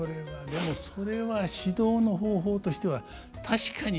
でもそれは指導の方法としては確かに。